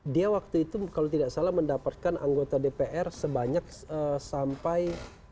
dia waktu itu kalau tidak salah mendapatkan anggota dpr sebanyak sampai satu ratus dua puluh delapan